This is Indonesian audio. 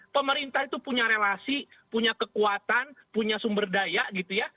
pemerintah itu punya relasi punya kekuatan punya sumber daya gitu ya